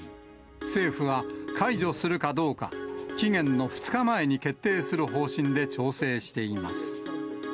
政府は解除するかどうか、期限の２日前に決定する方針で調整しています。